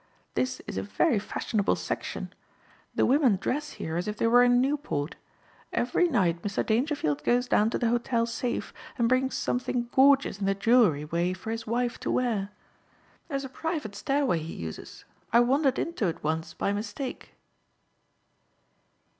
This is a very fashionable section. The women dress here as if they were in Newport. Every night Mr. Dangerfield goes down to the hotel safe and brings something gorgeous in the jewelry way for his wife to wear. There's a private stairway he uses. I wandered into it once by mistake."